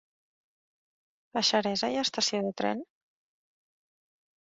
A Xeresa hi ha estació de tren?